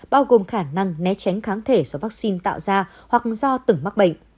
bao gồm khả năng né tránh kháng thể do vaccine tạo ra hoặc do từng mắc bệnh